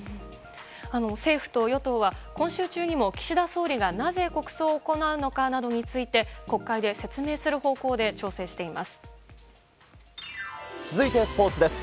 政府と野党は今週中には岸田総理がなぜ国葬を行うかなどについて国会で説明する方向で調整しています。